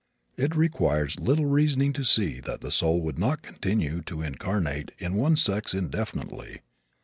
It requires little reasoning to see that the soul would not continue to incarnate in one sex indefinitely.